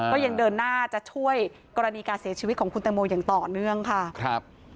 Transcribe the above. ก็ยังเดินหน้าจะช่วยกรณีการเสียชีวิตของคุณตังโมอย่างต่อเนื่องค่ะครับ